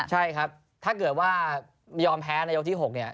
ใช่ครับถ้าเกิดว่ายอมแพ้ในยกที่๖เนี่ย